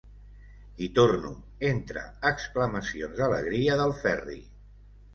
Hi torno, entre exclamacions d'alegria del Ferri.